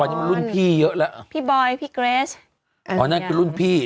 ไปนี่มันรุนพี่เยอะหรอพี่บอยพี่เกรทอ๋อนั่นคือรุนพี่